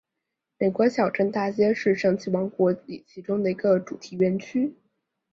美国小镇大街是神奇王国里其中一个主题园区。